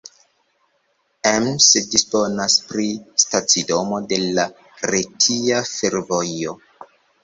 Ems disponas pri stacidomo de la Retia Fervojo.